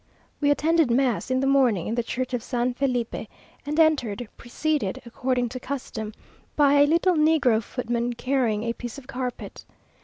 We attended mass in the morning in the church of San Felipe, and entered, preceded, according to custom, by a little negro footman carrying a piece of carpet.